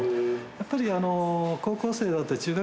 やっぱり。